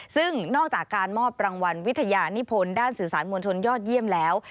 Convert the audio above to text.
ซึ่งนอกจากการมอบรางวัลวิทยานิพลด้านสื่อสารมวลชนยอดเยี่ยมแล้ว